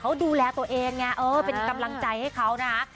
เขาดูแลตัวเองไงเออเป็นกำลังใจให้เขานะคะ